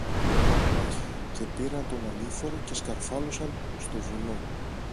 Και πήραν τον ανήφορο και σκαρφάλωσαν στο βουνό.